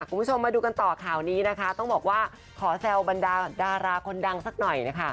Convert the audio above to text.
คุณผู้ชมมาดูกันต่อข่าวนี้นะคะต้องบอกว่าขอแซวบรรดาดาราคนดังสักหน่อยนะคะ